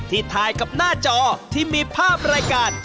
ถ่ายกับหน้าจอที่มีภาพรายการ